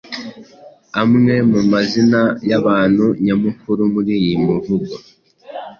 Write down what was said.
Amwe mumazina yabantu nyamukuru muriyi mivugo